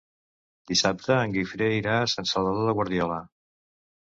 Dissabte en Guifré irà a Sant Salvador de Guardiola.